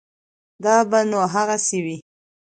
دا به نو هغسې وي.